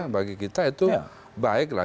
bagi kita itu baik lah